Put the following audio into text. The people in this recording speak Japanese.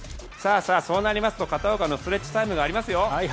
そうなりますと片岡のストレッチタイムがありますよ。